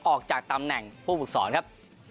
ออกจากตำแหน่งผู้ฝึกสอนครับ